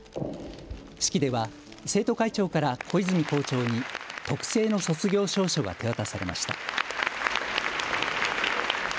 式では生徒会長から小泉校長に特製の卒業証書が手渡されました。